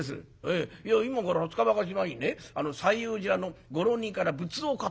いや今から二十日ばかし前にね西應寺裏のご浪人から仏像を買った。